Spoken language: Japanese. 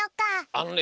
あのね